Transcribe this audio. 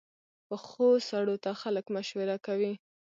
پخو سړو ته خلک مشوره کوي